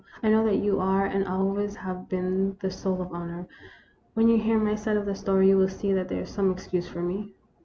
I know that you are and always have been the soul of honor. When you hear my side of the story you will see that there is some excuse for me."